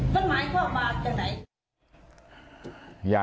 มันหมายถึงครอบบ้างให้ไหน